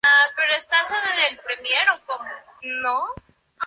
Azteca en el Fraccionamiento Azteca de Guadalupe Nuevo León.